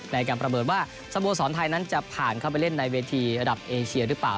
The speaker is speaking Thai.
ในการประเมินว่าสโมสรไทยนั้นจะผ่านเข้าไปเล่นในเวทีระดับเอเชียหรือเปล่า